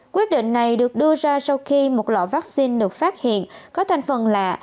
quyết định này được đưa ra sau khi một lọ vaccine được phát hiện có thành phần lạ